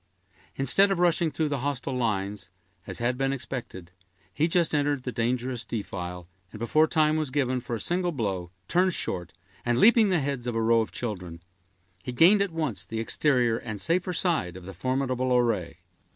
Instead of rushing through the hostile lines, as had been expected, he just entered the dangerous defile, and before time was given for a single blow, turned short, and leaping the heads of a row of children, he gained at once the exterior and safer side of the formidable array.